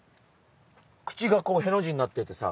口がこうへの字になっててさ。